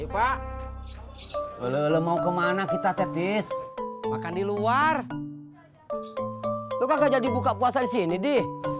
hai pak lele mau kemana kita tetis makan di luar tuh nggak jadi buka puasa sini di